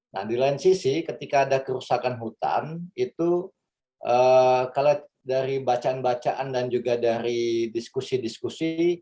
nah di lain sisi ketika ada kerusakan hutan itu kalau dari bacaan bacaan dan juga dari diskusi diskusi